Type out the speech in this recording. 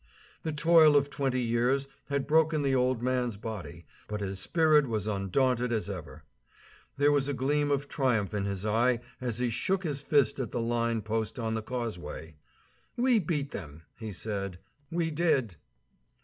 The toil of twenty years had broken the old man's body, but his spirit was undaunted as ever. There was a gleam of triumph in his eye as he shook his fist at the "line" post on the causeway. "We beat them," he said; "we did."